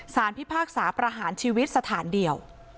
พิพากษาประหารชีวิตสถานเดียว